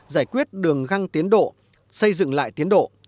giải quyết đường găng tiến độ xây dựng lại tiến độ